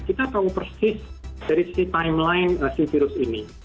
kita tahu persis dari si timeline si virus ini